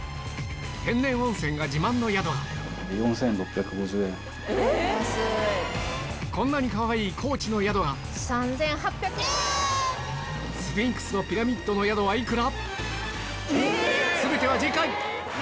天然温泉が自慢の宿がこんなにかわいい高知の宿がスフィンクスとピラミッドの宿は幾ら？